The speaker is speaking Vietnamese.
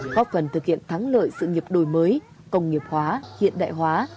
góp phần thực hiện thắng lợi sự nghiệp đổi mới công nghiệp hóa hiện đại hóa